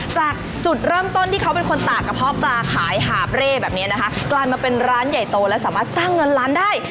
จากจุดเริ่มต้นที่เขาเป็นคนตากกระเพาะปลาขายหาบเร่แบบนี้นะคะกลายมาเป็นร้านใหญ่โตและสามารถสร้างเงินล้านได้